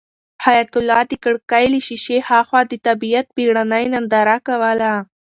حیات الله د کړکۍ له شیشې هاخوا د طبیعت بېړنۍ ننداره کوله.